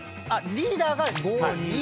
リーダーが５２。